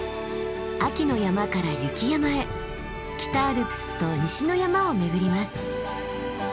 秋の山から雪山へ北アルプスと西の山を巡ります。